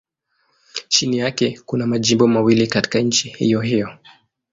Chini yake kuna majimbo mawili katika nchi hiyohiyo.